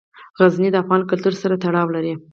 غزني د افغان کلتور سره تړاو لري.